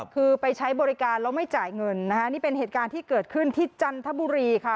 คือไปใช้บริการแล้วไม่จ่ายเงินนะคะนี่เป็นเหตุการณ์ที่เกิดขึ้นที่จันทบุรีค่ะ